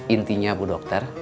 intinya bu dokter